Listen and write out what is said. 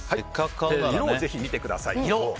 色をぜひ見てください。